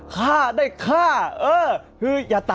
ฆ่าได้ฆ่าเออ